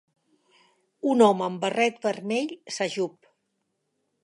Un home amb barret vermell s'ajup.